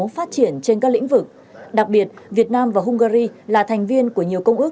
phát triển trên các lĩnh vực đặc biệt việt nam và hungary là thành viên của nhiều công ước